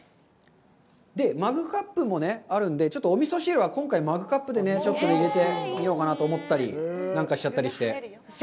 で、マグカップもあるんで、ちょっとお味噌汁はマグカップに入れてみようかなと思ったり、なんかしちゃったりして。